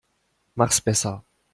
Mach's besser.